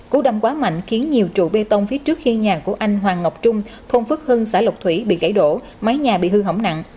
cú đâm quá mạnh khiến nhiều trụ bê tông phía trước khi nhà của anh hoàng ngọc trung thôn phước hưng xã lộc thủy bị gãy đổ mái nhà bị hư hỏng nặng